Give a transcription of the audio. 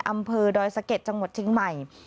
อำเภอดอยสะเก็ดจังหวัดเชียงใหม่